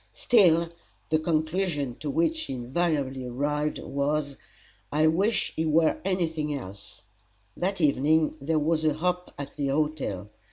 ] Still, the conclusion to which she invariably arrived was, "I wish he were any thing else!" That evening there was a hop at the hotel.